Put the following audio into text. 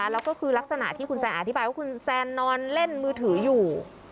แล้วก็คือลักษณะที่คุณแซนอธิบายว่าคุณแซนนอนเล่นมือถืออยู่